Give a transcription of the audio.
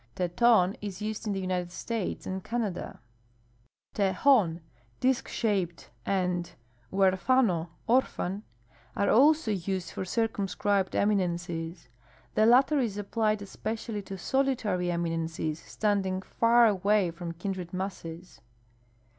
Teton is used in the United States and Canada. Tejon (disk shaped) and huerjano (orphan) are also used for circum scribed eminences. The latter is applied especially to solitary eminences standing far away from kindred masses.